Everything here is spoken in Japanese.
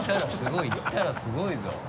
いったらすごいぞ。